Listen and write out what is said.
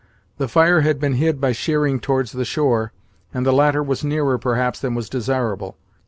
The fire had been hid by sheering towards the shore, and the latter was nearer, perhaps, than was desirable.